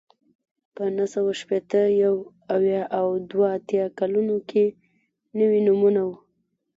په نهه سوه شپېته، یو اویا او دوه اتیا کلونو کې نوي نومونه وو